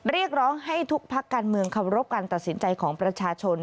เรียกร้องให้ทุกพักการเมืองเคารพการตัดสินใจของประชาชน